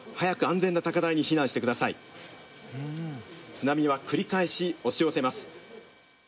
津波は繰り返し押し寄せます。